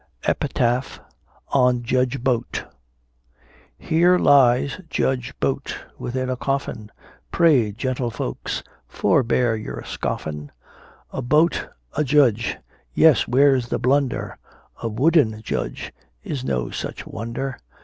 EPITAPH ON JUDGE BOAT. Here lies Judge Boat within a coffin, Pray, gentlefolks, forbear your scoffin'; A Boat a judge! yes, where's the blunder A wooden Judge is no such wonder!